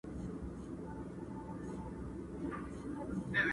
چاویل مور یې بي بي پلار یې اوزبک دی.!